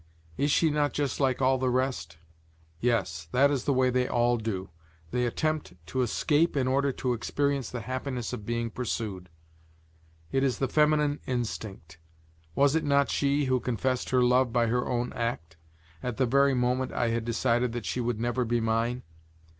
Is she not just like all the rest? Yes, that is the way they all do; they attempt to escape in order to know the happiness of being pursued: it is the feminine instinct. Was it not she who confessed her love by her own act, at the very moment I had decided that she would never be mine?